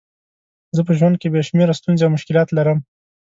زه په ژوند کې بې شمېره ستونزې او مشکلات لرم.